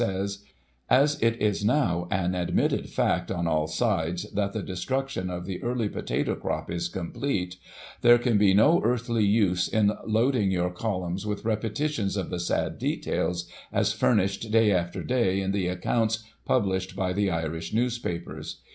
says :" As it is now an admitted fact, on all sides, that the destruction of the early potato crop is complete, there can be no earthly use Digiti ized by Google 298 GOSSIP. [1846 in loading your columns with repetitions of the sad details, as furnished day after day in the accounts published by the Irish newspapers.